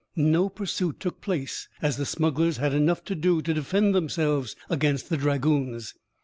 No pursuit took place, as the smugglers had enough to do to defend themselves against the dragoons.